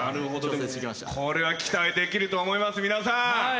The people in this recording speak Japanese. これは期待できると思います皆さん。